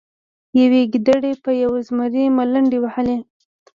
یوې ګیدړې په یو زمري ملنډې وهلې.